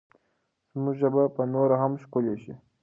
زموږ ژبه به نوره هم ښکلې شي.